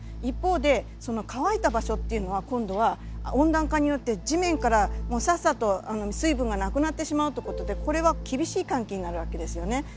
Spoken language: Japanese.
一方で乾いた場所っていうのは今度は温暖化によって地面からさっさと水分がなくなってしまうってことでこれは厳しい乾季になるわけですよね。